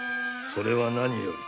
それは何より。